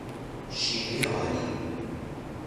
شیمی آلی